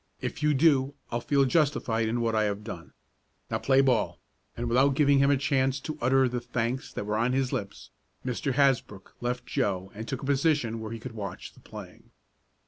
If you do I'll feel justified in what I have done. Now, play ball!" and without giving him a chance to utter the thanks that were on his lips, Mr. Hasbrook left Joe and took a position where he could watch the playing.